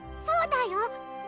そうだよ。